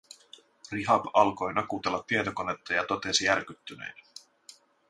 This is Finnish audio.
Rihab alkoi nakutella tietokonetta, ja totesi järkyttyneenä: